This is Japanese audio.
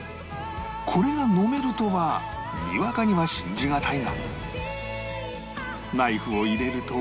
これが飲めるとはにわかには信じがたいがナイフを入れると